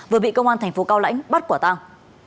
vừa bị công an thành phố cao lãnh bắt quả tang